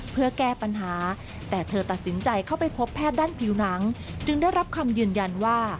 เพื่อแก้ปัญหา